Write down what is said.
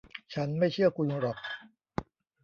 ฉันไม่เชื่อคุณหรอก